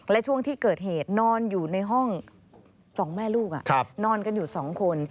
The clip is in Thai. และช่วงที่เกิดเหตุนอนอยู่ในห้อง๒แม่ลูกนอนกันอยู่๒คน